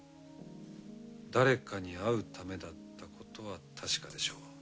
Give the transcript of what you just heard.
誰かに会うためだったことは確かでしょう。